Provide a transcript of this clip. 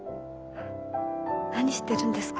何してるんですか？